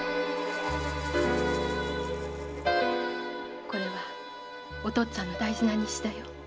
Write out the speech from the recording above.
〔これはお父っつぁんの大事な日誌だよ〕